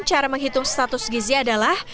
cara menghitung status gizi adalah